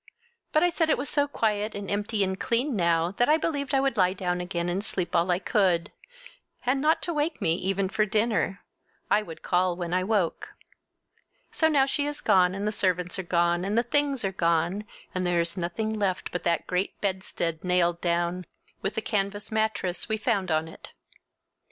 But I said it was so quiet and empty and clean now that I believed I would lie down again and sleep all I could; and not to wake me even for dinner—I would call when I woke. So now she is gone, and the servants are gone, and the things are gone, and there is nothing left but that great bedstead nailed down, with the canvas mattress we found on it.